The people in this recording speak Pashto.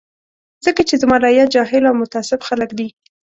ځکه چې زما رعیت جاهل او متعصب خلک دي.